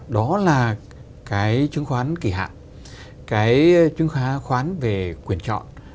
đó là cái chứng khoán kỳ hạng cái chứng khoán về quyền chọn